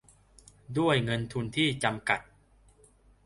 ด้วยเงินทุนที่จำกัด